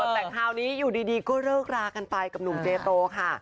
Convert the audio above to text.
แต่คราวนี้อยู่ดีก็เลิกรากันไปกับหนุ่มเจโตค่ะ